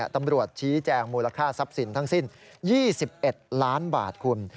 ตำรวจชี้แจงมูลค่าทรัพย์สินทั้งสิ้น๒๑ล้านบาทคุณ